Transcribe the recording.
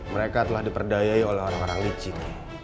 mereka telah diperdayai oleh orang orang licin